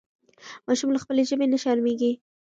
ماشوم له خپلې ژبې نه شرمېږي.